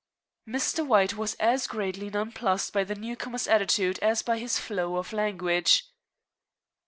Mr. White was as greatly nonplussed by the newcomer's attitude as by his flow of language.